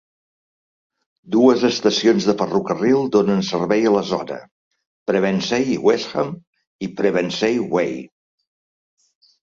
Dues estacions de ferrocarril donen servei a la zona: Pevensey i Westham i Pevensey Bay.